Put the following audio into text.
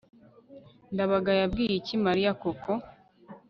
ndabaga yabwiye iki mariya koko